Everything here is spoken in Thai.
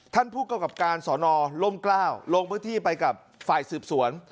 ท่านผู้กำกับการสอนอลล่มกล้าวลงพื้นที่ไปกับฝ่ายสืบสวน